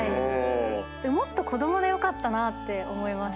もっと子供でよかったなって思います